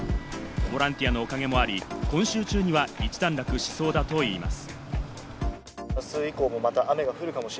ボランティアのおかげもあり、今週中には一段落しそうだといいます。